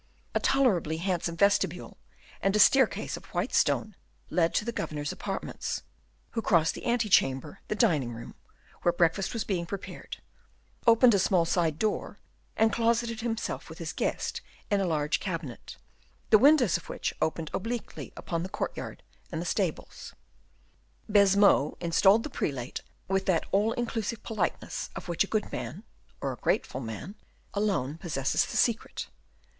A tolerably handsome vestibule and a staircase of white stone led to the governor's apartments, who crossed the ante chamber, the dining room, where breakfast was being prepared, opened a small side door, and closeted himself with his guest in a large cabinet, the windows of which opened obliquely upon the courtyard and the stables. Baisemeaux installed the prelate with that all inclusive politeness of which a good man, or a grateful man, alone possesses the secret.